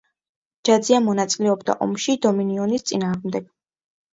ჯაძია მონაწილეობდა ომში დომინიონის წინააღმდეგ.